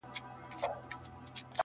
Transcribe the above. • ول کمک را سره وکړه زما وروره,